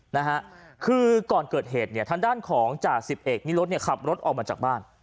นะฮะคือก่อนเกิดเหตุเนี่ยทางด้านของจ่าสิบเอกนิรุธเนี่ยขับรถออกมาจากบ้าน